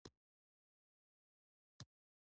په دې وخت کې سرکه او د لیمو پوټکي لس دقیقې سره وخوټوئ.